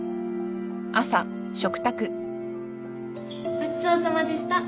ごちそうさまでした。